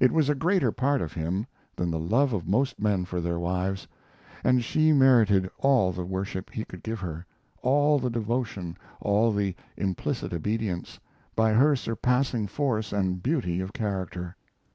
It was a greater part of him than the love of most men for their wives, and she merited all the worship he could give her, all the devotion, all the implicit obedience, by her surpassing force and beauty of character.